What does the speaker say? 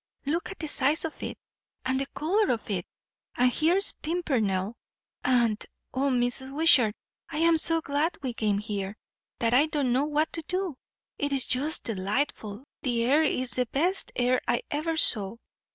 Look at the size of it, and the colour of it. And here's pimpernel. And O, Mrs. Wishart, I am so glad we came here, that I don't know what to do! It is just delightful. The air is the best air I ever saw."